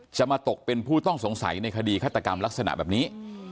จะมาตกเป็นผู้ต้องสงสัยในคดีฆาตกรรมลักษณะแบบนี้